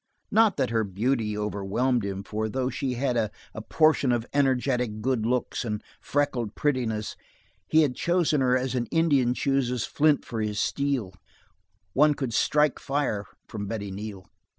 Not that her beauty overwhelmed him, for though she had a portion of energetic good health and freckled prettiness, he had chosen her as an Indian chooses flint for his steel; one could strike fire from Betty Neal.